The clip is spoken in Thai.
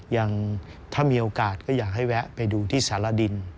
ยังถ้ามีโอกาสก็อยากให้แวะไปดูที่สารดิน